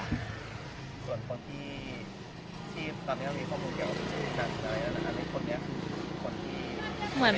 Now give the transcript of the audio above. ส่วนคนที่ตอนนี้มันมีข้อมูลเกี่ยวกับผู้ชาวหญิงหนักหน่อยแล้วนะคะ